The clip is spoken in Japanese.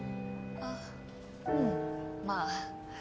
あっうんまあ。